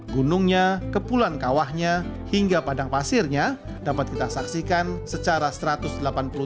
gunungnya kepulan kawahnya hingga padang pasirnya dapat kita saksikan secara setidaknya